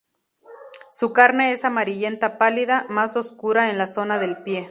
Su carne es amarillenta pálida, más oscura en la zona del pie.